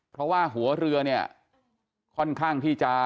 เพราะว่าหัวเรือเนี่ยค่อนข้างที่จะ